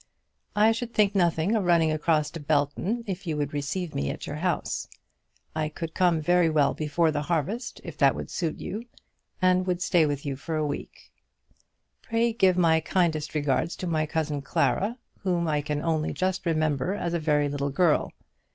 I should think nothing of running across to Belton, if you would receive me at your house. I could come very well before harvest, if that would suit you, and would stay with you for a week. Pray give my kindest regards to my cousin Clara, whom I can only just remember as a very little girl.